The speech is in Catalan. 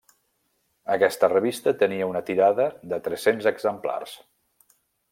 Aquesta revista tenia una tirada de tres-cents exemplars.